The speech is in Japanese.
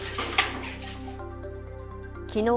きのう